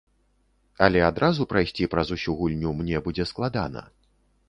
Але адразу прайсці праз усю гульню мне будзе складана.